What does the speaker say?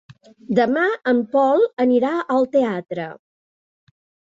Demà en Pol anirà al teatre.